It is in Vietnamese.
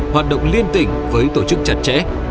hoạt động liên tỉnh với tổ chức chặt chẽ